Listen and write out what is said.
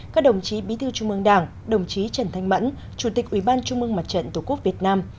các đồng chí bí thư trung mương đảng đồng chí trần thanh mẫn chủ tịch ủy ban trung mương mặt trận tổ quốc việt nam